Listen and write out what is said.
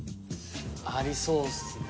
ありそうっすね。